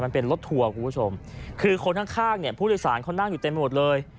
มันเป็นรถทัวร์คุณผู้ชมคือคนข้างข้างเนี่ยผู้โดยสารเขานั่งอยู่เต็มหมดเลย